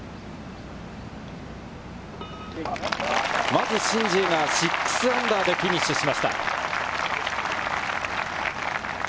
まずシン・ジエが−６でフィニッシュしました。